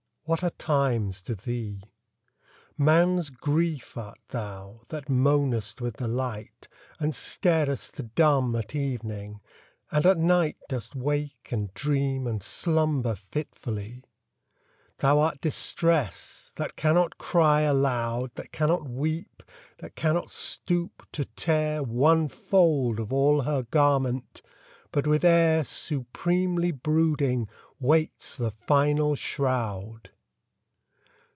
What are times to thee? Man's Grief art thou, that moanest with the light, And starest dumb at evening — and at night Dost wake and dream and slumber fitfully ! Thou art Distress — ^that cannot cry alou<^ That cannot weep, that cannot stoop to tear One fold of all her garment, but with air Supremely brooding waits the final shroud